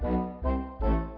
mumpung masih siang